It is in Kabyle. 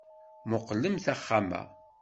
Mmuqqlemt axxam-a.